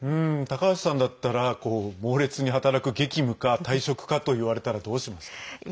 高橋さんだったら猛烈に働く激務か、退職かと言われたらどうしますか？